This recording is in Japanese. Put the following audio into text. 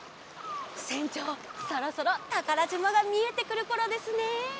せんちょうそろそろたからじまがみえてくるころですね。